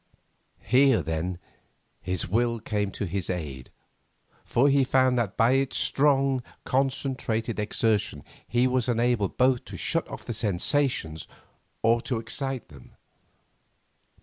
Here, then, his will came to his aid, for he found that by its strong, concentrated exertion he was enabled both to shut off the sensations or to excite them.